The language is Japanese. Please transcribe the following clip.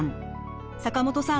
坂本さん